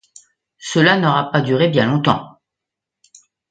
Cela n’aura pas duré bien longtemps.